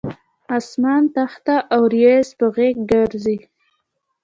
اسمان تخته اوریځ په غیږ ګرځي